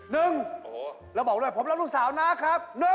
เราบอกเลยผมรักลูกสาวน้ากครับ